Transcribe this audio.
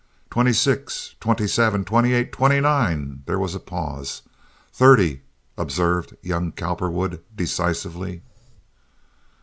"Twenty six." "Twenty seven." "Twenty eight." "Twenty nine." There was a pause. "Thirty," observed young Cowperwood, decisively.